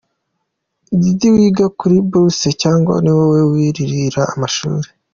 Diddy : Wiga kuri bourse, cyangwa ni wowe wirihira amashuri ?.